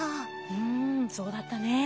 うんそうだったね。